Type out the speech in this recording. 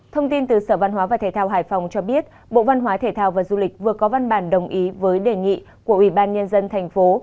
thông tin từ sở văn hóa và thể thao hải phòng cho biết bộ văn hóa thể thao và du lịch vừa có văn bản đồng ý với đề nghị của ủy ban nhân dân thành phố